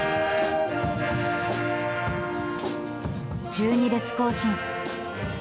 １２列行進。